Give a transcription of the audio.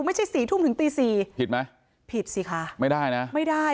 ไม่ใช่สี่ทุ่มถึงตีสี่ผิดไหมผิดสิคะไม่ได้นะไม่ได้